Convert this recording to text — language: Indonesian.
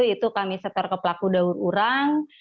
itu kami setar ke pelaku daur urang